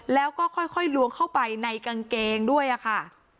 แล้วก็ค่อยลวงเข้าไปในกางเกงด้วยค่ะ